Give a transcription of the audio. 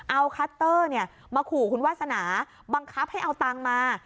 เอาคัตเตอร์มาขู่คุณวาสนาบังคับให้เอาตังค์มา